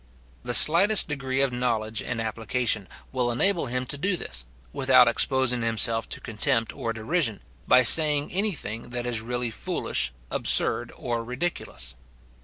The slightest degree of knowledge and application will enable him to do this, without exposing himself to contempt or derision, by saying any thing that is really foolish, absurd, or ridiculous.